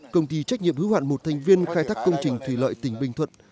công ty trách nhiệm hứa hoạt một thành viên khai thác công trình thủy lợi tỉnh bình thuận